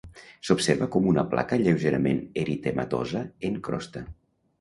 S'observa com una placa lleugerament eritematosa, en crosta.